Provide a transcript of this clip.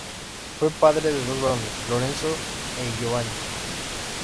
Fue padre de dos varones, Lorenzo e Giovanni.